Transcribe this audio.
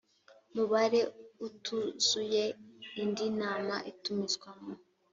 mubare utuzuye indi nama itumizwa mu